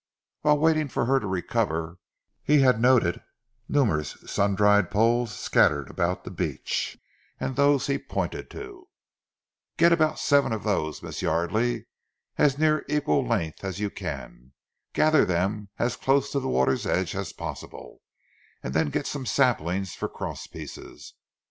Whilst waiting for her to recover he had noted numerous sun dried poles scattered about the beach, and those he pointed to. "Get about seven of those, Miss Yardely, as near equal length as you can. Gather them as close to the water's edge as possible, and then get some saplings for cross pieces.